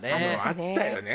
あったよね